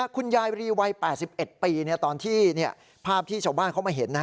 คุณยายบรีวัย๘๑ปีตอนที่ภาพที่ชาวบ้านเขามาเห็น